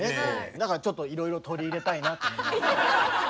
だからちょっといろいろ取り入れたいなって。